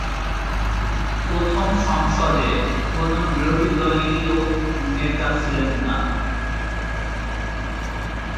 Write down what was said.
প্রথম সংসদে কোন বিরোধীদলীয় নেতা ছিলেন না।